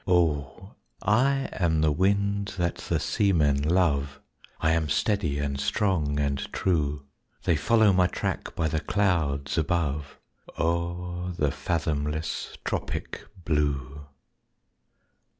Oh, I am the wind that the seamen love I am steady, and strong, and true; They follow my track by the clouds above O'er the fathomless tropic blue.